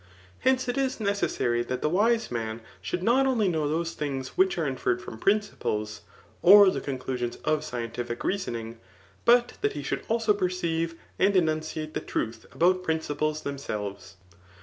Hence it is necessary that the wise rtian should not only know those things which are infer red from principles [or the conclusions of scientific rea soning,3 but that he should also perceive and enunciate the truth about principles themselves.